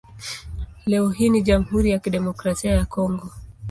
Leo hii ni Jamhuri ya Kidemokrasia ya Kongo.